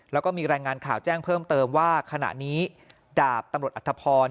แล้วก็มีรายงานข่าวแจ้งเพิ่มเติมว่าขณะนี้ดาบตำรวจอัธพร